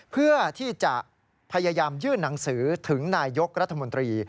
เพื่อที่จะพยายามยื่นหนังสือถึงนายยกรัฐมนตรี